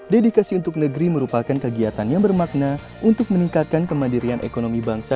dedikasi untuk negeri merupakan kegiatan yang bermakna untuk meningkatkan kemandirian ekonomi bangsa